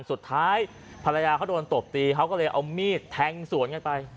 สุดท้ายภรรยาเขาโดนตบตีเขาก็เลยเอามีดแทงสวนกันไป